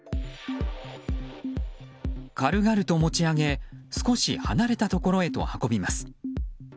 軽々と持ち上げ少し離れたところへと運びます。